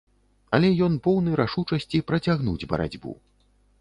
Але ён поўны рашучасці працягнуць барацьбу.